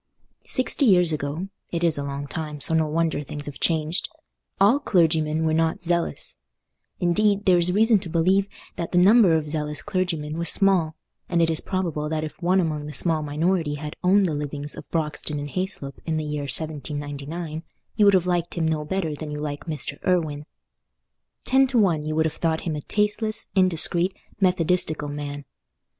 Sixty years ago—it is a long time, so no wonder things have changed—all clergymen were not zealous; indeed, there is reason to believe that the number of zealous clergymen was small, and it is probable that if one among the small minority had owned the livings of Broxton and Hayslope in the year 1799, you would have liked him no better than you like Mr. Irwine. Ten to one, you would have thought him a tasteless, indiscreet, methodistical man.